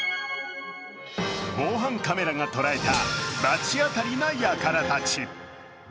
防犯カメラが捉えた罰当たりなやからたち。